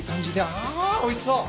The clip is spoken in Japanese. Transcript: あおいしそう。